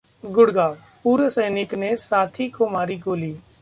गुड़गांव: पूर्व सैनिक ने साथी को मारी गोली